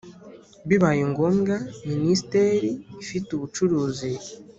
Bibaye ngombwa minisiteri ifite ubucuruzi